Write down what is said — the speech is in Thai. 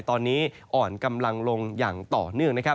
ตอนนี้อ่อนกำลังลงอย่างต่อเนื่องนะครับ